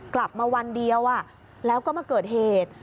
กลับมาวันเดียวแล้วก็มาเกิดเหตุ